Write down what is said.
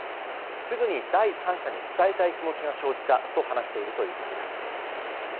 すぐに第三者に伝えたい気持ちが生じたと話しているということです。